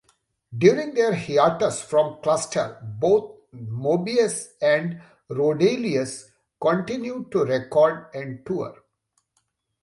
During their hiatus from Cluster both Moebius and Roedelius continued to record and tour.